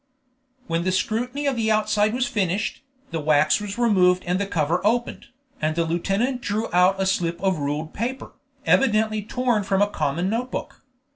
When the scrutiny of the outside was finished, the wax was removed and the cover opened, and the lieutenant drew out a slip of ruled paper, evidently torn from a common note book.